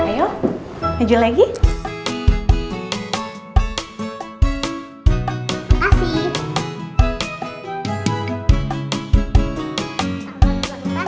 selamat ulang tahun reina